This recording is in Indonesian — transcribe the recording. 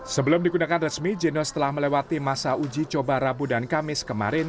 sebelum digunakan resmi jenos telah melewati masa uji coba rabu dan kamis kemarin